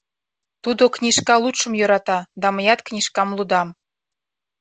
Тудо книжка лудшым йӧрата, да мыят книжкам лудам...